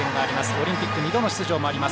オリンピック２度の出場もあります